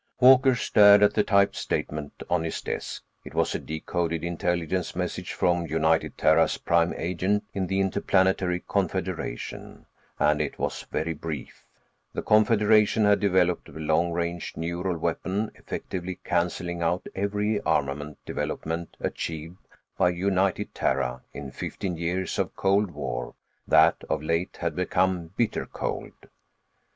Walker stared at the typed statement on his desk. It was a decoded intelligence message from United Terra's prime agent in the Interplanetary Confederation, and it was very brief: the Confederation had developed a long range neural weapon effectively cancelling out every armament development achieved by United Terra in fifteen years of a cold war that of late had become bitter cold.